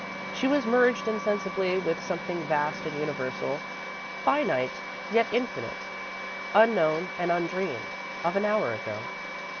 She was merged insensibly with something vast and universal, finite yet infinite, unknown and undreamed of an hour ago.